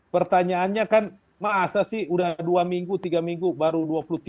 pertanyaannya kan maaf sih sudah dua minggu tiga minggu baru dua